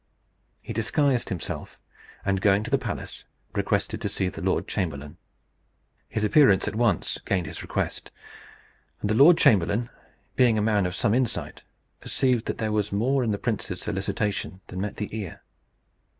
He disguised himself, and, going to the palace, requested to see the lord chamberlain. His appearance at once gained his request; and the lord chamberlain, being a man of some insight, perceived that there was more in the prince's solicitation than met the ear.